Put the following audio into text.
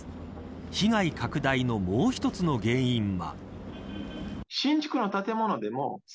被害拡大のもう一つの原因は。